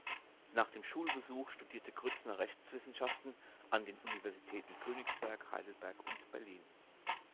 Nach dem Schulbesuch studierte Grützner Rechtswissenschaften an den Universitäten Königsberg, Heidelberg und Berlin.